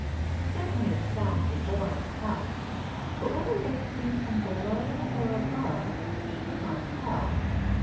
Certainly the sounds were born in the house, but whether they came from below or above she could not tell.